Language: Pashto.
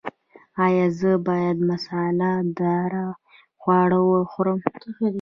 ایا زه باید مساله دار خواړه وخورم؟